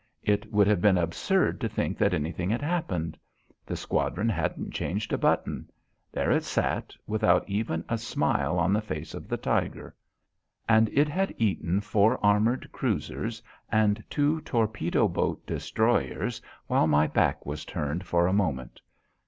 It would have been absurd to think that anything had happened. The squadron hadn't changed a button. There it sat without even a smile on the face of the tiger. And it had eaten four armoured cruisers and two torpedo boat destroyers while my back was turned for a moment.